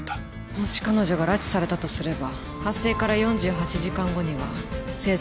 もし彼女が拉致されたとすれば発生から４８時間後には生存率は５０パーセントを切る。